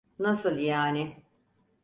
NasıI yani?